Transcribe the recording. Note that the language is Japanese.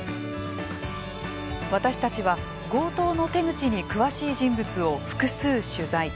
私たちは、強盗の手口に詳しい人物を複数取材。